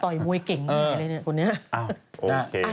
ต่อยมวยเก่งอะไรอย่างนี้